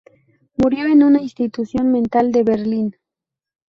Murió en una institución mental de Berlín.